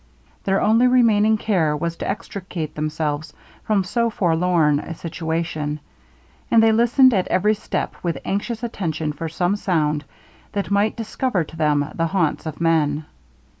Their only remaining care was to extricate themselves from so forlorn a situation, and they listened at every step with anxious attention for some sound that might discover to them the haunts of men.